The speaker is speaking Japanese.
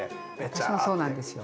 私もそうなんですよ。